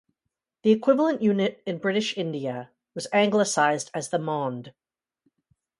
The equivalent unit in British India was anglicized as the maund.